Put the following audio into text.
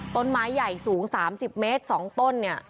ต้นไม้ใหญ่สูง๓๐เมตรสองต้น